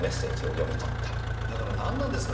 だから何なんですか？